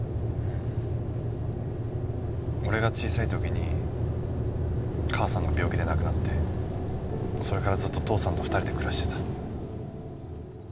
俺が小さい時に母さんが病気で亡くなってそれからずっと父さんと２人で暮らしてた。